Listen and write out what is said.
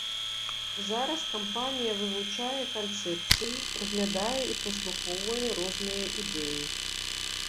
Зараз кампанія вывучае канцэпцыі, праглядае і праслухоўвае розныя ідэі.